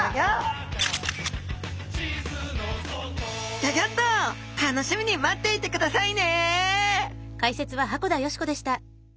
ギョギョッと楽しみに待っていてくださいね！